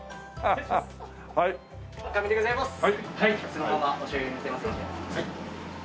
そのままおしょうゆ塗ってますので。